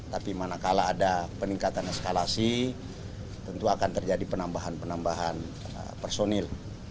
tapi manakala ada peningkatan eskalasi tentu akan terjadi penambahan penambahan personil